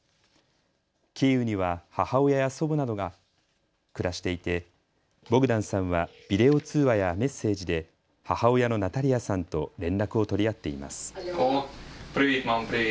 キーウには母親や祖母などが暮らしていてボグダンさんはビデオ通話やメッセージで母親のナタリヤさんと連絡を取り合っています。